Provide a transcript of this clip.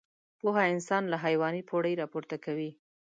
پوهه انسان له حيواني پوړۍ راپورته کوي.